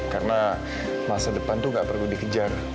karena masa depan tuh gak perlu dikejar